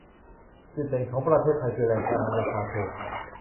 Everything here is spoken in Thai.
จุดเด่นของประเทศไทยคือแรงงานราคาถูก